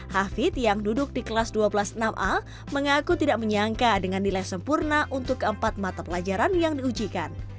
hafid yang duduk di kelas dua belas enam a mengaku tidak menyangka dengan nilai sempurna untuk empat mata pelajaran yang diujikan